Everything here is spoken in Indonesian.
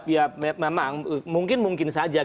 ya memang mungkin mungkin saja